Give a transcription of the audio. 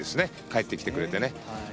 帰ってきてくれて。